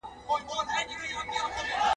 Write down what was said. له عالمه ووزه، له نرخه ئې مه وزه.